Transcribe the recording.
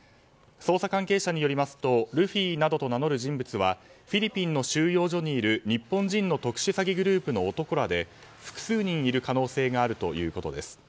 捜査関係者によりますとルフィなどと名乗る人物はフィリピンの収容所にいる日本人の特殊詐欺グループの男らで複数人いる可能性があるということです。